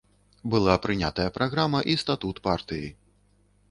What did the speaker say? Была прынятая праграма і статут партыі.